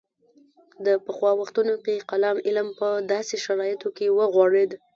د پخوا وختونو کې کلام علم په داسې شرایطو کې وغوړېد.